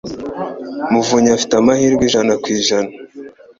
Muvunnyi afite amahirwe ijana ku ijana